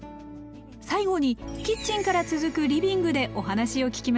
最後にキッチンから続くリビングでお話を聞きました